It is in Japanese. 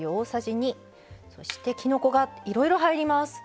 そしてきのこがいろいろ入ります。